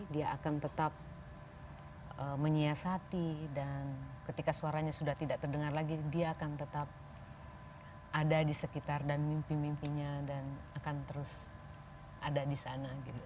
dia akan tetap menyiasati dan ketika suaranya sudah tidak terdengar lagi dia akan tetap ada di sekitar dan mimpi mimpinya dan akan terus ada di sana gitu